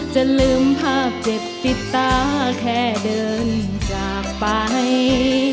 จะลืมภาพเจ็บติดตาแค่เดินจากไป